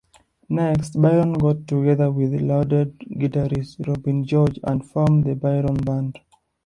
Next, Byron got together with lauded guitarist Robin George and formed The Byron Band.